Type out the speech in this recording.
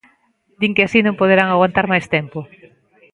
Din que así non poderán aguantar máis tempo.